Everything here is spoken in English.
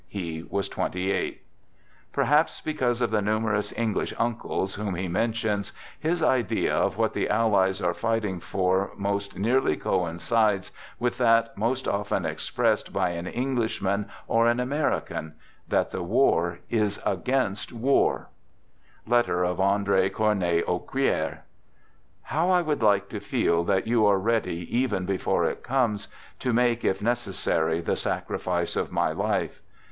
He was twenty eight. Perhaps because of the numerous " English uncles," whom he mentions, his idea of what the Allies are fighting for most nearly coincides with that most often expressed by an Englishman or an Ameri can — that the war is against war, {Letter of Andre Cornet A uquier) How I would like to feel that you are ready, even before it comes, to make if necessary the sacrifice of my life.